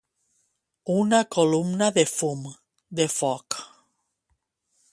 Una columna de fum, de foc.